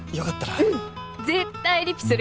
うん！絶対リピするから。